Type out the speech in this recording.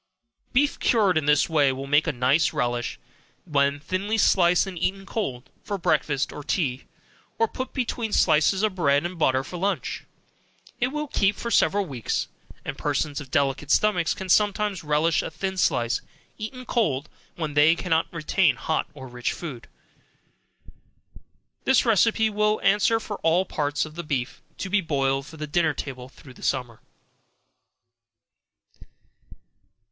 Beef cured in this way will make a nice relish, when thinly sliced and eaten cold, for breakfast or tea, or put between slices of bread and butter for lunch, it will keep for several weeks, and persons of delicate stomachs can sometimes relish a thin slice, eaten cold, when they cannot retain hot or rich food. This receipt will answer for all parts of the beef, to be boiled for the dinner table through the summer.